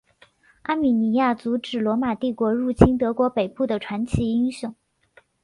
阿米尼亚阻止罗马帝国入侵德国北部的传奇英雄。